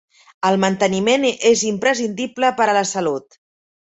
El manteniment és imprescindible per a la salut.